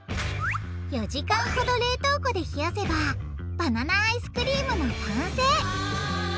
４時間ほど冷凍庫で冷やせばバナナアイスクリームの完成！